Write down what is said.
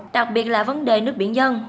đặc biệt là vấn đề nước biển dân